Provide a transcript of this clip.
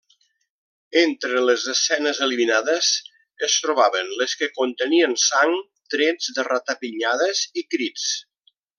Entre les escenes eliminades es trobaven les que contenien sang, trets de ratapinyades i crits.